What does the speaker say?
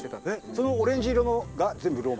そのオレンジ色のが全部ローマ？